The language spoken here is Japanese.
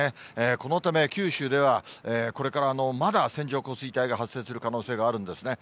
このため、九州ではこれからまだ線状降水帯が発生する可能性があるんですね。